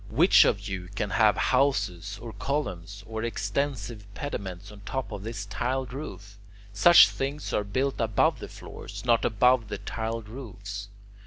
Which of you can have houses or columns or extensive pediments on top of his tiled roof? Such things are built above the floors, not above the tiled roofs.